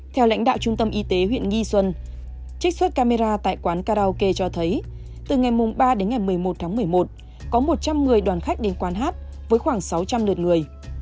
theo lãnh đạo trung tâm y tế huyện nghi xuân trích xuất camera tại quán karaoke cho thấy từ ngày ba đến ngày một mươi một tháng một mươi một có một trăm một mươi đoàn khách đến quán hát với khoảng sáu trăm linh lượt người